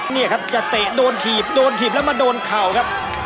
นี่ครับจะเตะโดนถีบโดนถีบแล้วมาโดนเข่าครับ